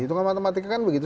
hitungan matematika kan begitu